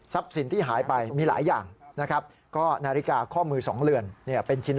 ทรัพย์สินที่หายไปมีหลายอย่างนะครับก็นาฬิกาข้อมือ๒เหลือน